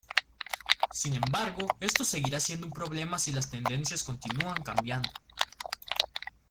Sin embargo esto seguirá siendo un problema si las tendencias continúan cambiando.